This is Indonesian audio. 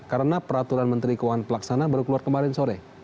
karena peraturan menteri keuangan pelaksana baru keluar kemarin sore